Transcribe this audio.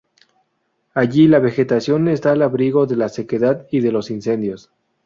Allí la vegetación está al abrigo de la sequedad y de los incendios.